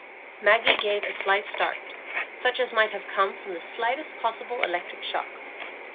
Maggie gave a slight start, such as might have come from the slightest possible electric shock.